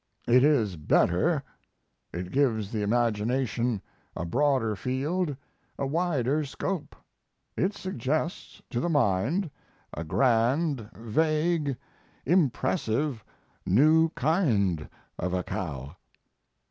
It is better. It gives the imagination a broader field, a wider scope. It suggests to the mind a grand, vague, impressive new kind of a cow.